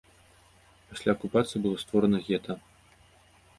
Пасля акупацыі было створана гета.